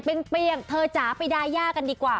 แดดแรงเบี้ยงเธอจ้าไปได้ย่ากันดีกว่า